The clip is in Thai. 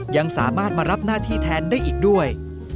ยังสามารถมารับหน้าที่แทนได้อีกด้วย